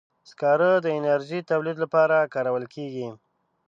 سکاره د انرژي تولید لپاره کارول کېږي.